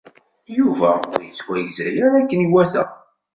Yuba ur yettwagza ara akken iwata.